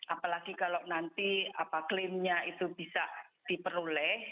apalagi kalau nanti klaimnya itu bisa diperoleh